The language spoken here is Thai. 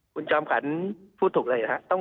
คุณจอมขันพูดถูกเลยนะฮะ